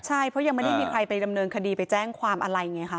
ใช่เพราะยังไม่ได้มีใครไปดำเนินคดีไปแจ้งความอะไรไงคะ